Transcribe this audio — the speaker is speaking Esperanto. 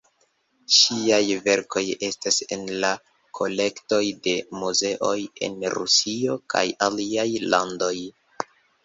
Ŝiaj verkoj estas en la kolektoj de muzeoj en Rusio kaj aliaj landoj.